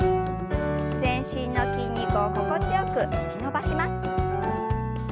全身の筋肉を心地よく引き伸ばします。